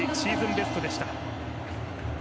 ベストでした。